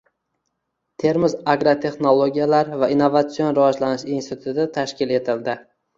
Termiz agrotexnologiyalar va innovatsion rivojlanish instituti tashkil etildi